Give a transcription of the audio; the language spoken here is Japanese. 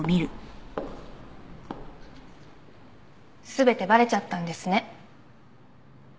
全てバレちゃったんですね。